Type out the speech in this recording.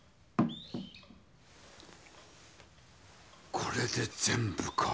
これで全部か。